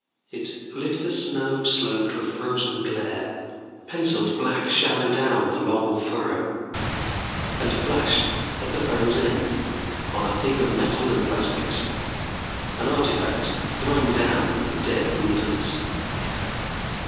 It lit the snow slope to a frozen glare, penciled black shadow down the long furrow, and flashed at the furrow's end on a thing of metal and plastics, an artifact thrown down in the dead wilderness.